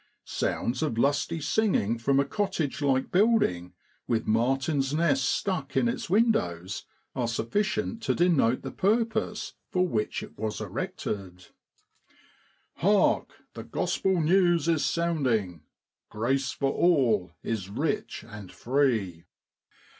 Sounds of lusty singing 72 JULY IN BROADLAND. from a cottage like building, with martin's nests stuck in its windows, are sufficient to denote the purpose for which it was erected ' Hark ! the Gospel news is sounding, Grace for all is rich and free,' j BEDTIME.